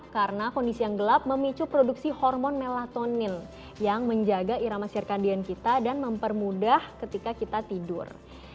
karena kondisi yang gelap memicu produksi hormon melatonin yang menjaga irama sirkadian kita dan mempermudah ketika kita tidur